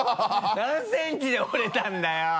何ｃｍで折れたんだよ。